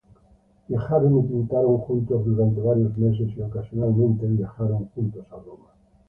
Viajaron y pintaron juntos durante varios meses, y ocasionalmente viajaron juntos a Roma.